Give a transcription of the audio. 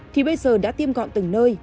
thì bây giờ đã tiêm gọn từng nơi